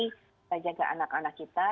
kita jaga anak anak kita